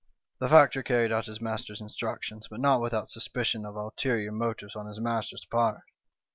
" The factor carried out his master's instructions, but not without suspicion of ulterior motives on his master's part.